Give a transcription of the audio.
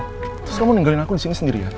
terus kamu ninggalin aku di sini sendiri ya